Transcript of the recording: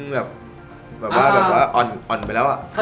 แบบว่าอ่อนไปแล้วอ่ะ